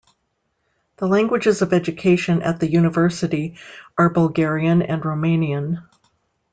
The languages of education at the university are Bulgarian and Romanian.